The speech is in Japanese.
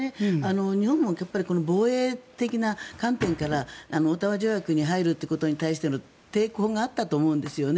日本も防衛的な観点からオタワ条約に入るということに対しての抵抗があったと思うんですよね。